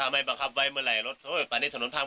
ใหญ่ขึ้นใช่ไหมครับ